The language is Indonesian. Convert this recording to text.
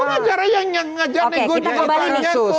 pengacaranya yang ngajak nego yang itu kasus